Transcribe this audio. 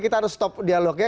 kita harus stop dialognya